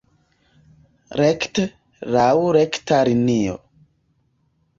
Rekte, laŭ rekta linio.